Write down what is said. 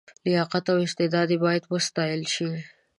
لیاقت او استعداد یې باید وستایل شي.